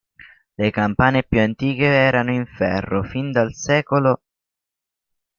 Le campane più antiche erano in ferro fin dal sec.